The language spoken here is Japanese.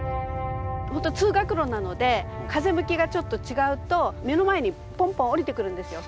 ほんと通学路なので風向きがちょっと違うと目の前にポンポン降りてくるんですよ